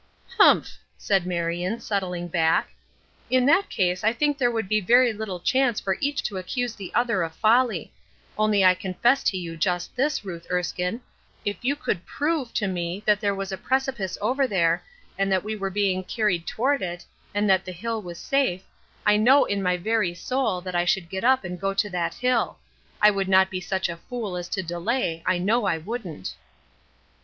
"Humph!" said Marion, settling back; "in that case I think there would be very little chance for each to accuse the other of folly; only I confess to you just this, Ruth Erskine, if you could prove to me that there was a precipice over there, and that we were being carried toward it, and that the hill was safe, I know in my very soul that I should get up and go to that hill. I would not be such a fool as to delay, I know I wouldn't."